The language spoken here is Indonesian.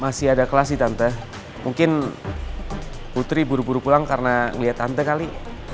masih ada kelas di tante mungkin putri buru buru pulang karena melihat tante kali